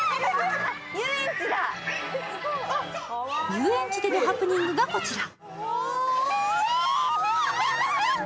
遊園地でのハプニングがこちら。